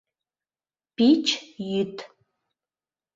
Пич йӱд.